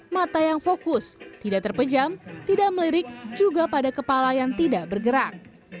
mata yang fokus tidak terpejam tidak melirik juga pada kepala yang tidak bergerak